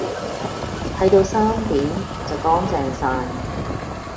剃到三點就乾淨曬